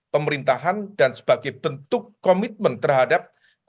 pemerintahan dan sebagai bentuk komitmen terhadap